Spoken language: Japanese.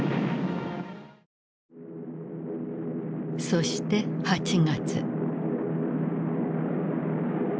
そして８月。